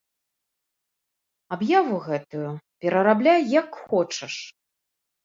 Аб'яву гэтую перарабляй, як хочаш.